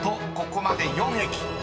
ここまで４駅］